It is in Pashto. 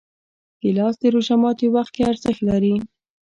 ګیلاس د روژه ماتي وخت کې ارزښت لري.